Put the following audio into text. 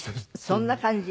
そんな感じ。